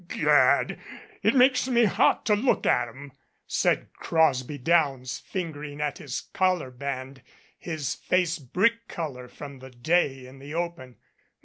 "Gad ! It makes me hot to look at 'em !" said Crosby Downs, fingering at his collar band, his face brick color from the day in the open.